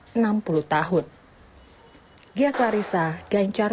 sejak tahun dua ribu enam belas kondisi rumah yang tersebut sudah kecil